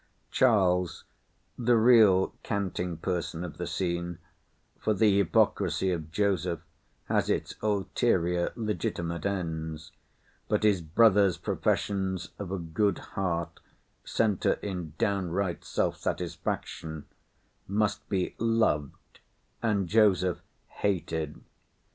Charles (the real canting person of the scene—for the hypocrisy of Joseph has its ulterior legitimate ends, but his brother's professions of a good heart centre in downright self satisfaction) must be loved and Joseph hated.